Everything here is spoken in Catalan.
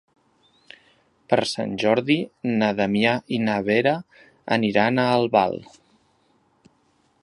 Per Sant Jordi na Damià i na Vera aniran a Albal.